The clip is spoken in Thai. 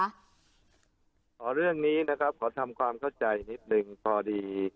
เรื่องนี้นะครับขอทำความเข้าใจนิดหนึ่งพอดี